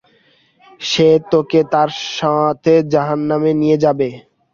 সে তোকে তার সাথে জাহান্নামে নিয়ে যাবে!